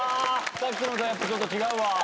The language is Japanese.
さっきのとやっぱちょっと違うわ。